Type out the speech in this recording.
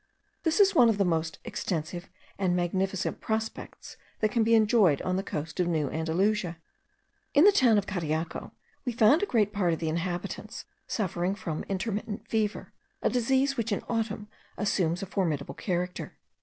This is one of the most extensive and magnificent prospects that can be enjoyed on the coast of New Andalusia. In the town of Cariaco we found a great part of the inhabitants suffering from intermittent fever; a disease which in autumn assumes a formidable character.